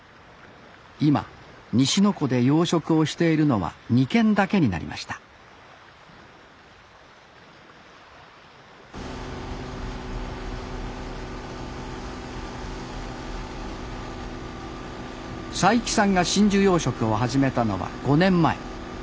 今西の湖で養殖をしているのは２軒だけになりました齋木さんが真珠養殖を始めたのは５年前。